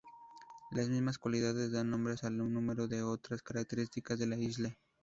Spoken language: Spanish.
Las mismas cualidades dan nombres a un número de otras características de la isla.